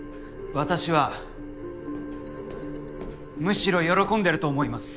私はむしろ喜んでると思います。